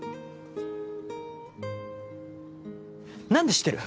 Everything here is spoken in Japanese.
何で知ってる？